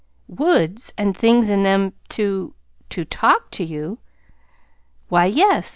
"Woods, and things in them to to TALK to you!" "Why, yes.